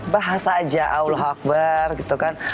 bahasa aja allah akbar gitu kan